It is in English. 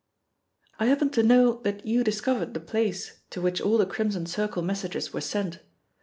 "I happen to know that you discovered the place to which all the Crimson Circle messages were sent.